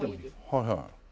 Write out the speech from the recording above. はいはい。